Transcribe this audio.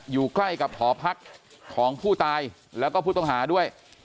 อยู่ใกล้กับหอพักของผู้ตายแล้วก็ผู้ต้องหาด้วย